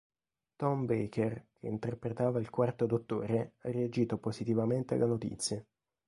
Tom Baker, che interpretava il Quarto Dottore, ha reagito positivamente alla notizia.